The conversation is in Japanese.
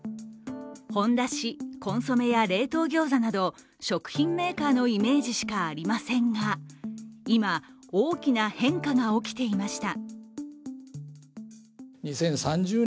ほんだし、コンソメや冷凍ギョーザなど食品メーカーのイメージしかありませんが今、大きな変化が起きていました。